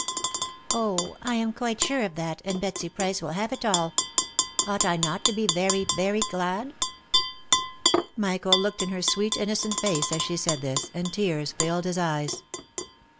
Oh ! I am quite sure of that, and Betsy Price will have it all ! Ought I not to be very, very, glad V* Michael looked in her sweet, innocent face, as she said this, and tears filled his eyes.